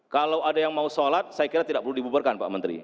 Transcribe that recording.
kalau ada yang mau sholat saya kira tidak perlu dibubarkan pak menteri